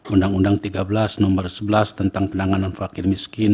undang undang tiga belas nomor sebelas tentang penanganan fakir miskin